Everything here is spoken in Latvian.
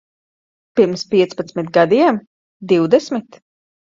Pirms piecpadsmit gadiem? Divdesmit?